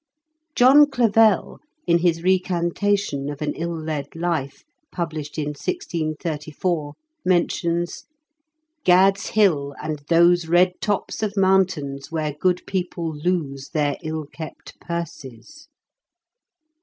John Clavell, in his Recantation of an Ill led Life, published in 1634, mentions — Gad's Hill, and those Red tops of mountains where good people lose Their ill kept purses.